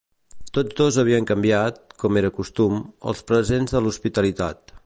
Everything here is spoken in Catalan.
Tots dos havien canviat, com era costum, els presents de l'hospitalitat.